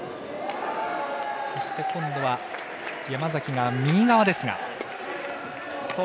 そして今度は山崎が右側ですが。